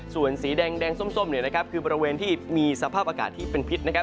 ส่วนสีแดงส้มเนี่ยนะครับคือบริเวณที่มีสภาพอากาศที่เป็นพิษนะครับ